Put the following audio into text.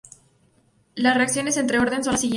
Las reacciones, en orden, son las siguientes.